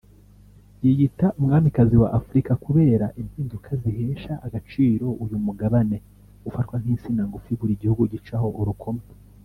yiyita umwamikazi wa Afurika kubera impinduka zihesha agaciro uyu Mugabane ufatwa nk’insina ngufi buri gihugu gicaho urukoma